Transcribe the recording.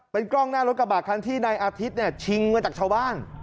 เป็นกล้องหน้ารถกระบะที่ในอาทิตย์ชิงเมืองจากชาวบ้าน